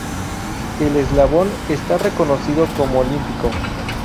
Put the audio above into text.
El eslalon está reconocido como olímpico.